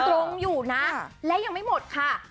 ตรงอยู่นะและยังไม่หมดค่ะ